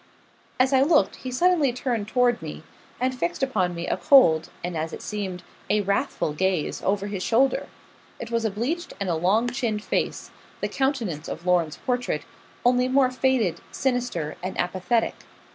As I looked, he suddenly turned toward me, and fixed upon me a cold, and as it seemed, a wrathful gaze, over his shoulder. It was a bleached and a long chinned face the countenance of Lorne's portrait only more faded, sinister, and apathetic.